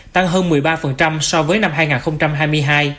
tăng hơn một mươi ba so với năm hai nghìn hai mươi hai